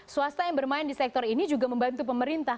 swasta yang bermain di sektor ini juga membantu pemerintah